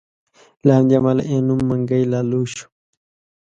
له همدې امله یې نوم منګی لالو شو.